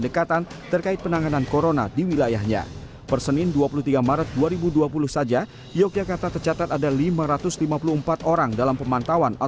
dan juga yang beritahu yang tidak beritahu